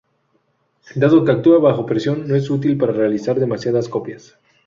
Dado que actúa bajo presión no es útil para realizar demasiadas copias.